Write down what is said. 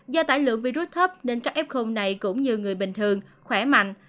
do tải lượng virus thấp nên các f này cũng như người bình thường khỏe mạnh